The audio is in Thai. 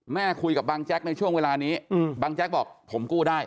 คุยกับบางแจ๊กในช่วงเวลานี้บางแจ๊กบอกผมกู้ได้